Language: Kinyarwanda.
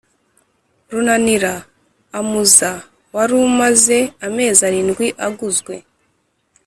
Runanira Amza wari umaze amezi arindwi aguzwe,